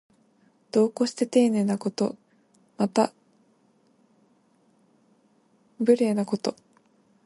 度を越してていねいなこと。また、慇懃無礼なこと。